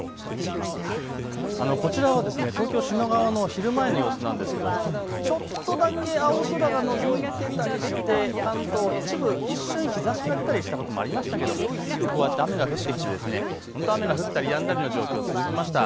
こちらは東京品川の昼前の様子なんですがちょっとだけ青空がのぞいてたりして関東一部一瞬日ざしが出たこともありましたがすぐこうやって雨が降ってきて雨が降ったりやんだりの状況が続きました。